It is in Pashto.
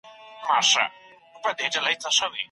سړی چې ډوډۍ یې خلاصه کړه، په ډېرې بېړۍ له هوټله ووت.